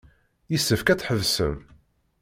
Yessefk ad tḥebsem.